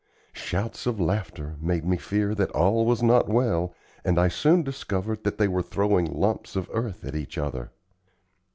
Shouts of laughter made me fear that all was not well, and I soon discovered that they were throwing lumps of earth at each other.